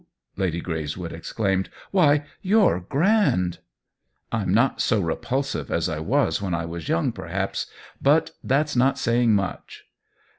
Lady Greyswood exclaimed. "Why, you're grand !"" I'm not so repulsive as I was when I was young, perhaps ; but that's not sapng much."